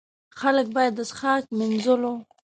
خلک باید د څښاک، مینځلو.